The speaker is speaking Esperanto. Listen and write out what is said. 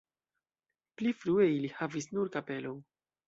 Pli frue ili havis nur kapelon.